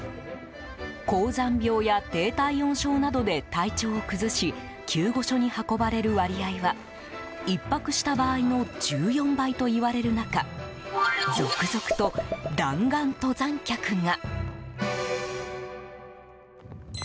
高山病や低体温症などで体調を崩し救護所に運ばれる割合は１泊した場合の１４倍といわれる中続々と弾丸登山客が。